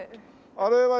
あれは？